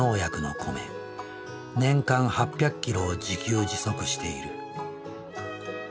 年間８００キロを自給自足している。